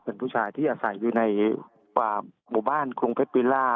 เป็นผู้ชายที่อาศัยอยู่ในหมู่บ้านกรุงเพชรวิลล่า